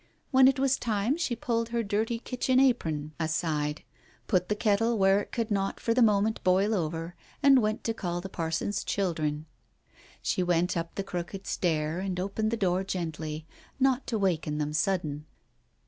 When it was time, she pulled her dirty kitchen apron Digitized by Google THE BAROMETER 229 aside, put the kettle where it could not for the moment boil over, and went to call the parson's children. She went up the crooked stair and opened the door gently, "not to waken them sudden."